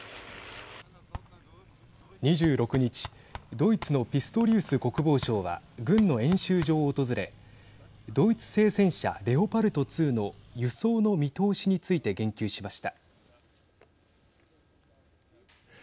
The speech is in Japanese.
２６日ドイツのピストリウス国防相は軍の演習場を訪れドイツ製戦車レオパルト２の輸送の見通しについて言及しました。